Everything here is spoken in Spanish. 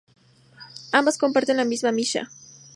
Ambas comparten la misma Mishná.